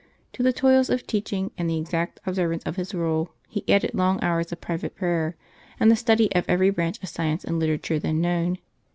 To the toils of teaching and the exact observance of his rule he added long hours of private prayer, and the study of every branch of science and literature then known.